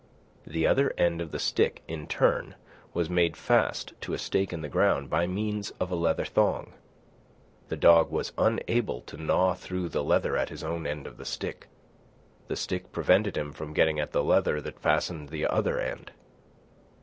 The other end of the stick, in turn, was made fast to a stake in the ground by means of a leather thong. The dog was unable to gnaw through the leather at his own end of the stick. The stick prevented him from getting at the leather that fastened the other end.